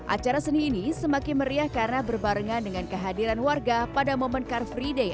acara seni ini semakin meriah karena berbarengan dengan kehadiran warga pada momen car free day